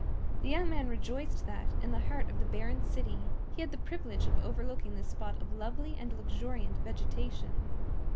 The young man rejoiced that, in the heart of the barren city, he had the privilege of overlooking this spot of lovely and luxuriant vegetation.